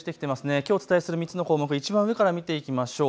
きょうお伝えする３つの項目、いちばん上から見ていきましょう。